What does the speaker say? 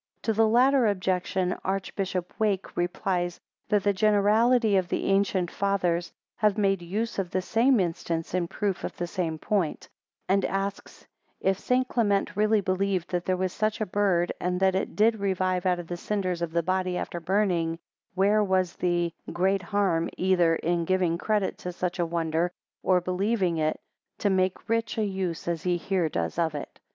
To the latter objection, Archbishop Wake replies that the generality of the ancient Fathers have made use of the same instance in proof of the same point; and asks, if St. Clement really believed that there was such a bird, and that it did revive out of the cinders of the body after burning, where was the, great harm either in giving credit to such a wonder, or, believing it, to make rich a use as he here does of it?